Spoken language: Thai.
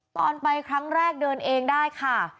ตอนไปครั้งแรกเดินเองได้ค่ะ